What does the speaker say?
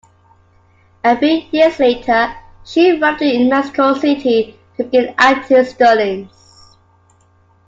A few years later, she arrived in Mexico City to begin acting studies.